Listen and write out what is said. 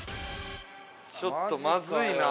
ちょっとまずいな。